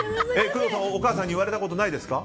工藤さん、お母さんに言われたことないですか？